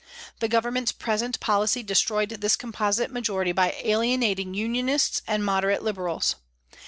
The Government's present policy destroyed this composite majority by alienat ing Unionists and moderate Liberals.